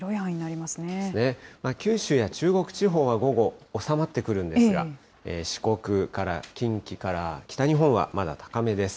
九州や中国地方は午後、収まってくるんですが、四国から近畿から北日本はまだ高めです。